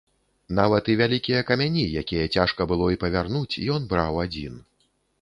Нават і вялікія камяні, якія цяжка было і павярнуць, ён браў адзін.